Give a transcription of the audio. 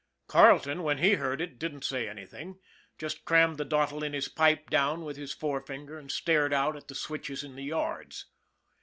Carleton, when he heard it, didn't say anything just crammed the dottle in his pipe down with his forefinger and stared out at the switches in the yards.